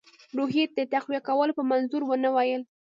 روحیې د تقویه کولو په منظور ونه ویل.